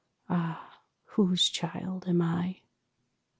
... Ah, Whose child am I?